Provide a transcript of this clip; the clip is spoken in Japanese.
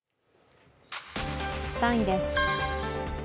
３位です。